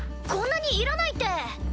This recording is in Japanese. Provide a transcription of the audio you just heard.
こんなにいらないって！